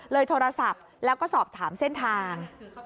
โทรศัพท์แล้วก็สอบถามเส้นทาง